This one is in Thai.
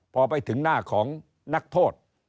พอไปถึงหน้าของนักโทษ